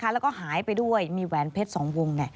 แล้วก็หายไปด้วยมีแหวนเพชร๒วง